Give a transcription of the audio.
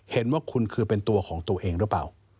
เห็นว่าคุณคือเป็นตัวของตัวเองหรือเปล่า